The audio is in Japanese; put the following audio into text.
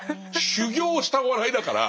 修業したお笑いだから。